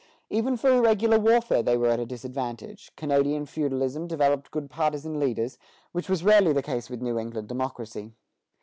Even for irregular warfare they were at a disadvantage; Canadian feudalism developed good partisan leaders, which was rarely the case with New England democracy.